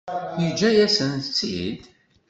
Yeǧǧa-yasent-t-id?